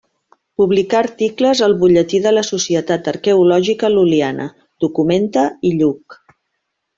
Publicà articles al Bolletí de la Societat Arqueològica Lul·liana, Documenta i Lluc.